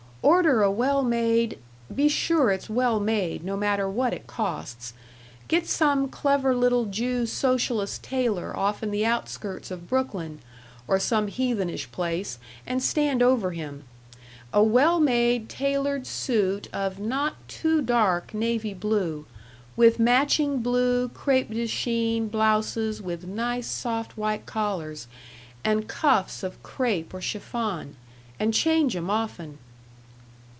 Order a well made be sure it's well made, no matter what it costs. Get some clever little Jew socialist tailor off in the outskirts of Brooklyn, or some heathenish place, and stand over him. A well made tailored suit of not too dark navy blue, with matching blue crêpe de Chine blouses with nice, soft, white collars, and cuffs of crêpe or chiffon and change 'em often."